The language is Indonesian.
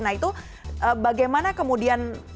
nah itu bagaimana kemudian